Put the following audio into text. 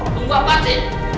tunggu apaan sih